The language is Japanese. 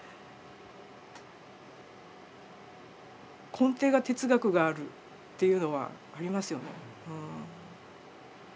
根底が哲学があるっていうのはありますよね。